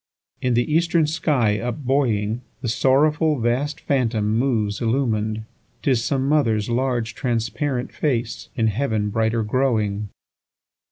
7In the eastern sky up buoying, The sorrowful vast phantom moves illumin'd;('Tis some mother's large, transparent face, In heaven brighter growing.)